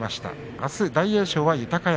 あす大栄翔は豊山。